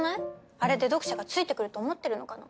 あれで読者がついてくると思ってるのかな。